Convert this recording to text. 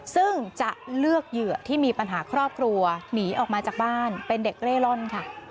ซึ่งจะเลือกเหยื่อที่มีปัญหาครอบครัวหนีออกมาจากบ้านเป็นเด็กเร่ร่อนค่ะ